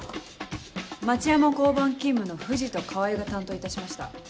町山交番勤務の藤と川合が担当いたしました。